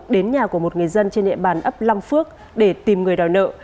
đến nhà của một người dân trên hệ bàn ấp lâm phước để tìm người đòi nợ